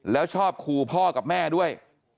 แล้วชอบขู่พ่อกับแม่ด้วย